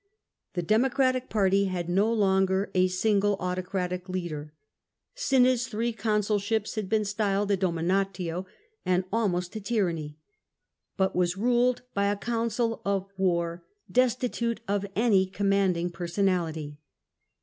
The Democratic party had no longer a single autocratic leader — Cinna's three consulships had been styled a dominatio and almost a tyranny — but was ruled by a council of war destitute of any commanding personality.